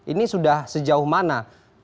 ini sudah sejauh mana